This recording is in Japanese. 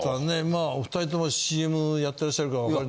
まあお２人ともＣＭやってらっしゃるから分かる。